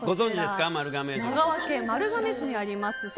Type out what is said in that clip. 香川県丸亀市にあります